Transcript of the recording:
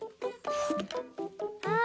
あ